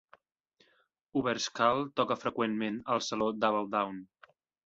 Uberschall toca freqüentment al Saló Double-Down.